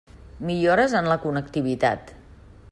Millores en la connectivitat.